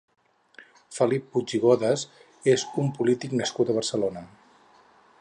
Felip Puig i Godes és un polític nascut a Barcelona.